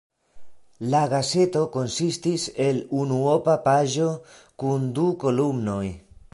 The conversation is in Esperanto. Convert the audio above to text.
La gazeto konsistis el unuopa paĝo kun du kolumnoj.